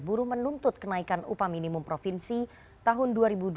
buru menuntut kenaikan upah minimum provinsi tahun dua ribu dua puluh